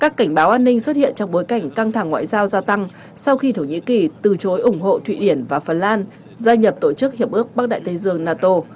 các cảnh báo an ninh xuất hiện trong bối cảnh căng thẳng ngoại giao gia tăng sau khi thổ nhĩ kỳ từ chối ủng hộ thụy điển và phần lan gia nhập tổ chức hiệp ước bắc đại tây dương nato